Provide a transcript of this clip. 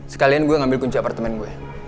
sekalian gue ngambil kunci apartemen gue